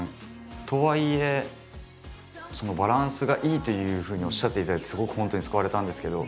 とはいえバランスがいいというふうにおっしゃっていただいてすごく本当に救われたんですけど。